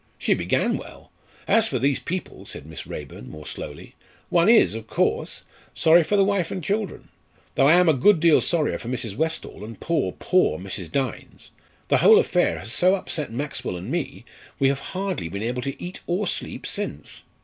She began well. As for these people," said Miss Raeburn, more slowly, "one is, of course, sorry for the wife and children, though I am a good deal sorrier for Mrs. Westall, and poor, poor Mrs. Dynes. The whole affair has so upset Maxwell and me, we have hardly been able to eat or sleep since.